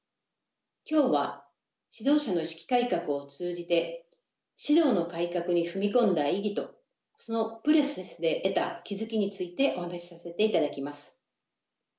今日は指導者の意識改革を通じて指導の改革に踏み込んだ意義とそのプロセスで得た気付きについてお話しさせていただきます。